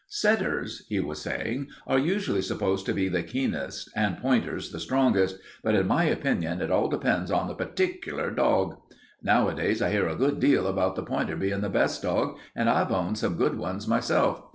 "Setters," he was saying, "are usually supposed to be the keenest and pointers the strongest, but in my opinion it all depends on the partic'lar dog. Nowadays I hear a good deal about the pointer bein' the best dog, and I've owned some good ones myself.